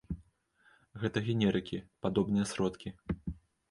Гэта генерыкі, падобныя сродкі.